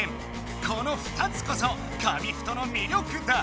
この２つこそ紙フトのみりょくだ。